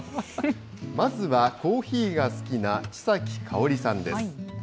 まずは、コーヒーが好きな千崎かおりさんです。